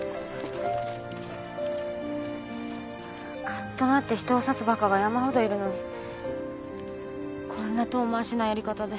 カッとなって人を刺すバカが山ほどいるのにこんな遠回しなやり方で。